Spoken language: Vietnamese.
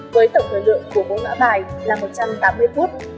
với tổng thời lượng của mẫu mã bài là một trăm tám mươi phút